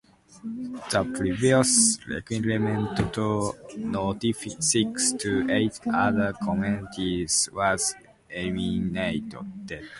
The previous requirement to notify six to eight other committees was eliminated.